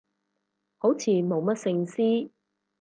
好似冇乜聖詩